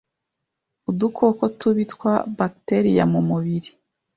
Udukoko tubi twa bacteria mu mubiri,